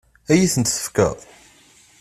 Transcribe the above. Ad iyi-tent-tefkeḍ?